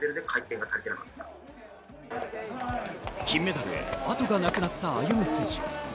金メダルへ後がなくなった歩夢選手。